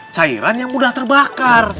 cairan yang mudah terbakar